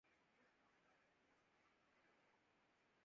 بہ ہر نمط غمِ دل باعثِ مسرت ہے